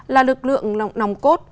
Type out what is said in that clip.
là lực lượng nòng cốt